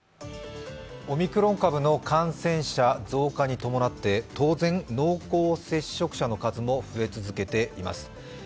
オミクロン株の感染者増加に伴って当然、濃厚接触者の数も増え続けています。